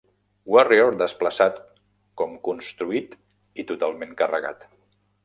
"Warrior" desplaçat com construït i totalment carregat.